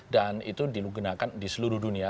dan itu digunakan di seluruh dunia